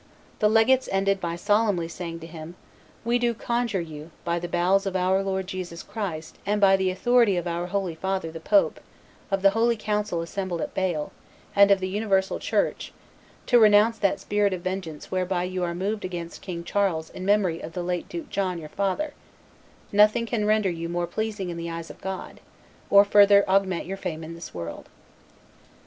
The legates ended by solemnly saying to him, "We do conjure you, by the bowels of our Lord Jesus Christ, and by the authority of our holy father, the pope, of the holy council assembled at Bale, and of the universal Church, to renounce that spirit of vengeance whereby you are moved against King Charles in memory of the late Duke John, your father; nothing can render you more pleasing in the eyes of God, or further augment your fame in this world."